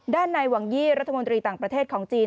ในหวังยี่รัฐมนตรีต่างประเทศของจีน